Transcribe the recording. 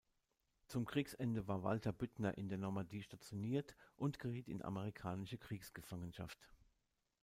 Zum Kriegsende war Walter Büttner in der Normandie stationiert und geriet in amerikanische Kriegsgefangenschaft.